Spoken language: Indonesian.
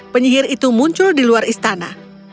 penyihir itu muncul di luar istana